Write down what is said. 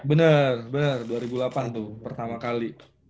bener bener dua ribu delapan tuh pertama kali